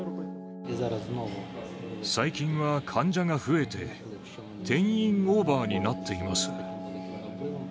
最近は患者が増えて、定員オーバーになっています。